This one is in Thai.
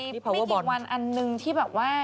มีอีกวันอันหนึ่งที่แบบว่า